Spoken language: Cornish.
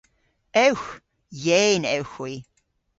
Ewgh! Yeyn ewgh hwi.